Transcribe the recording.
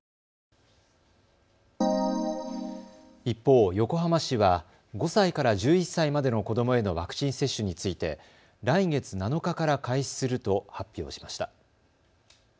一方、横浜市は５歳から１１歳までの子どもへのワクチン接種について来月７日から開始すると発表しました。